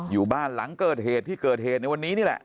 อยู่บ้านหลังเกิดเหตุที่เกิดเหตุในวันนี้นี่แหละ